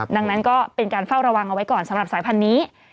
ดังนั้นก็เป็นการเฝ้าระวังเอาไว้ก่อนสำหรับสายพันธุ์นี้